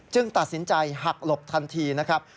ตัดสินใจหักหลบทันทีนะครับ